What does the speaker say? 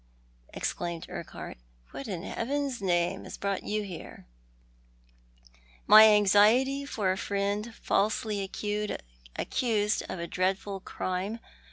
" exclaimed Urquhart. " What in Heaven's name has brought you here ?"" My anxiety for a friend falsely accused of a dreadful crime.